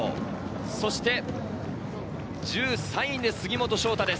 そして１３位で杉本将太です。